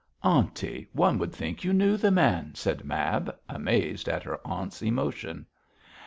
'Aunty, one would think you knew the man,' said Mab, amazed at her aunt's emotion.